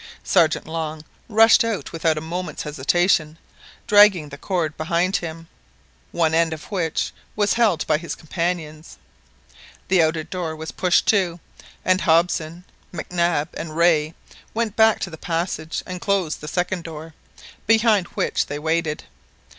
Sergeant Long rushed out without a moment's hesitation, dragging the cord behind him, one end of which was held by his companions; the outer door was pushed to, and Hobson, Mae Nab, and Rae went back to the passage and closed the second door, behind which they waited.